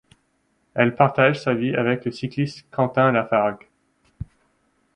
Elle partage sa vie avec le cycliste Quentin Lafargue.